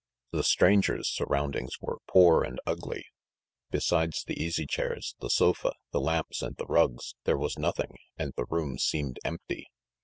The stranger's surroundings were poor and ugly; besides the easy chairs, the sofa, the lamps and the rugs, there was nothing, and the room seemed empty.